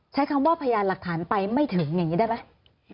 ใช้คำว่าพยานหลักฐานไปไม่ถึงอย่างนี้ได้ไหม